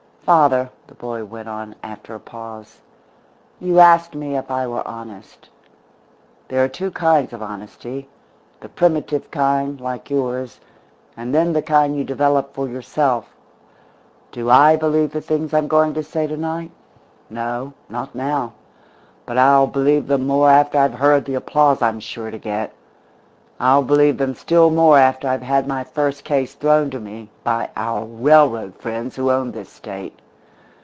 "Father," the boy went on, after a pause, "you asked me if I were honest. There are two kinds of honesty. The primitive kind like yours and then the kind you develop for yourself. Do I believe the things I'm going to say to night? No not now. But I'll believe them more after I've heard the applause I'm sure to get. I'll believe them still more after I've had my first case thrown to me by our railroad friends who own this State.